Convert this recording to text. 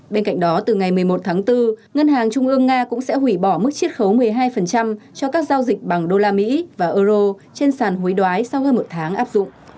bên cạnh đó từ ngày một mươi một tháng bốn ngân hàng trung ương nga cũng sẽ hủy bỏ mức chiết khấu một mươi hai cho các giao dịch bằng đô la mỹ và euro trên sàn hối đoái sau hơn một tháng áp dụng